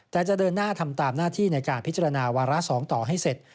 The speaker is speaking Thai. แต่จะเดินหน้าทำตามหน้าที่ในการพิจารณาวาระ๒ต่อให้เสร็จ